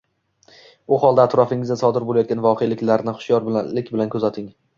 U holda atrofingizda sodir boʻlayotgan voqeliklarni hushyorlik bilan kuzating.